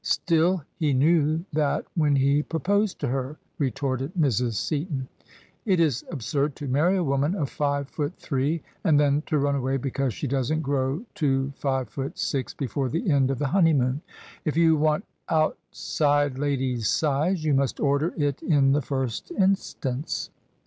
" Still he knew that when he proposed to her," retorted Mrs. Seaton. " It is absurd to marry a woman of five foot three, and then to run away because she doesn't grow to five foot six before the end of the honeymoon! If 3rou want ' outside ladies' size ' you must order It in the first instance."